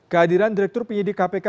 kehadiran direktur penyidik kpk